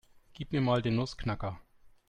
Gib mir mal den Nussknacker.